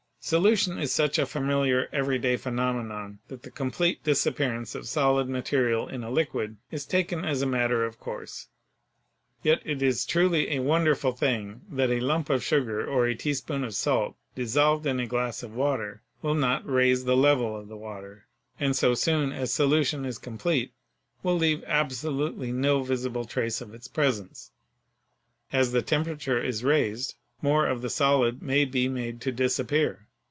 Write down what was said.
Solution is such a familiar, everyday phenomenon that the complete disap pearance of solid material in a liquid is taken as a matter of course. Yet it is truly a wonderful thing that a lump of sugar or a teaspoonful of salt dissolved in a glass of water will not raise the level of the water, and so soon as solution is complete will leave absolutely no visible trace of its presence. As the temperature is raised more of the solid may be made to disappear.